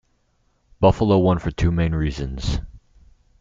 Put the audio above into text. Buffalo won for two main reasons.